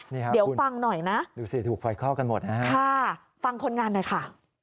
นี่ครับคุณดูสิถูกไฟเข้ากันหมดนะครับค่ะฟังคนงานหน่อยค่ะ